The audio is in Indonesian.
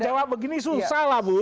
jawa jawa begini susah lah bu